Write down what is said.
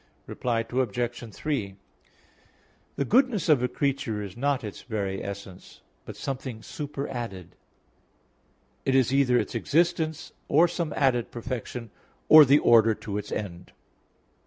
Reply Obj. 3: The goodness of a creature is not its very essence, but something superadded; it is either its existence, or some added perfection, or the order to its end.